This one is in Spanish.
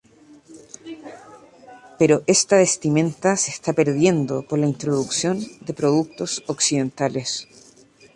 Pero esta vestimenta se está perdiendo por la introducción de productos occidentales.